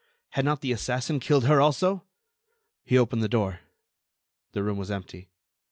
Had not the assassin killed her also? He opened the door; the room was empty.